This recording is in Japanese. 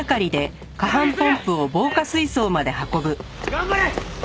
頑張れ！